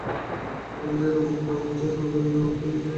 গত বছর এ দম্পতির মধ্যে বিবাহবিচ্ছেদ হয় এবং দুজনই অন্যত্র বিয়ে করেন।